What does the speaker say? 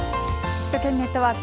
首都圏ネットワーク。